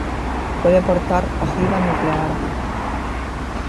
Puede portar ojivas nucleares.